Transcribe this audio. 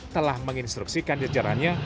telah menginstruksikan jejarannya